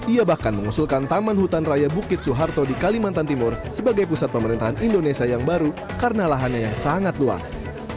ia bahkan mengusulkan taman hutan raya bukit soeharto di kalimantan timur sebagai pusat pemerintahan indonesia yang baru karena lahannya yang sangat luas